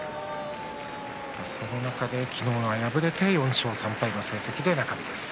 その中で昨日は敗れて４勝３敗の成績で中日です。